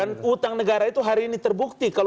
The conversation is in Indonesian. dan utang negara itu hari ini terbukti